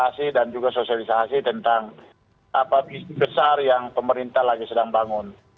komunikasi dan juga sosialisasi tentang apa bisnis besar yang pemerintah lagi sedang bangun